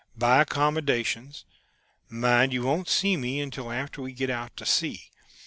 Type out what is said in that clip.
Buy accommodations.... Mind, you won't see me until after we get out to sea.